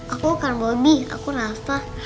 aku bukan bobi aku rafa